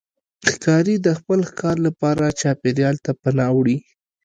ښکاري د خپل ښکار لپاره چاپېریال ته پناه وړي.